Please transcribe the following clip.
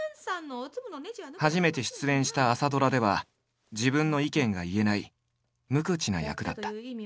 初めて出演した朝ドラでは自分の意見が言えない無口な役だった。